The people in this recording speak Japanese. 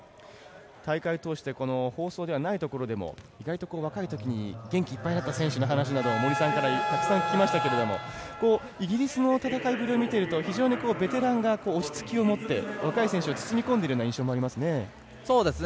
大会通して放送ではないところでも意外と若いところに元気いっぱいだったときの話など森さんからたくさん聞きましたけれどもイギリスの戦いぶりを見ていると非常にベテランが落ち着きをもって若い選手を包み込んでいる印象もありますね。